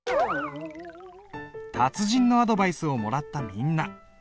達人のアドバイスをもらったみんな。